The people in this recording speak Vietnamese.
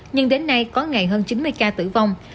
nhưng đến nay có ngày hơn chín mươi ca tử vong